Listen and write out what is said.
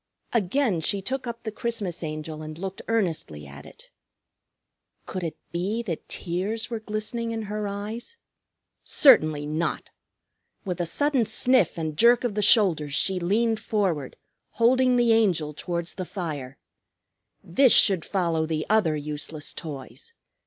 Again she took up the Christmas Angel and looked earnestly at it. Could it be that tears were glistening in her eyes? Certainly not! With a sudden sniff and jerk of the shoulders she leaned forward, holding the Angel towards the fire. This should follow the other useless toys.